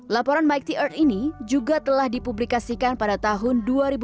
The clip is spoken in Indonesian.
laporan mighty earth ini juga telah dipublikasikan pada tahun dua ribu enam belas